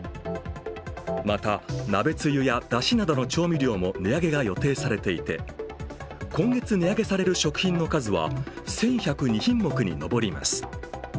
また、鍋つゆや、だしなどの調味料も値上げが予定されていて今月、値上げされる食品の数は１１０２品目にのぼります。